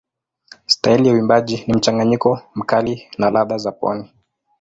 Staili ya uimbaji ni mchanganyiko mkali na ladha za pwani.